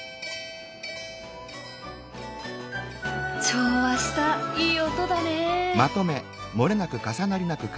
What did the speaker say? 調和したいい音だね。